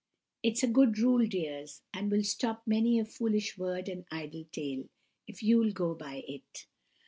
It's a good rule, dears, and will stop many a foolish word and idle tale, if you'll go by it."